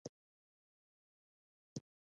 پښتنو ځانونو ته پښتانه ویلي دي.